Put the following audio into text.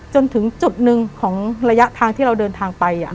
จนถึงจุดหนึ่งของระยะทางที่เราเดินทางไป